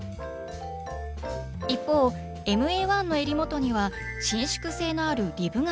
一方ＭＡ−１のえり元には伸縮性のあるリブが使われています。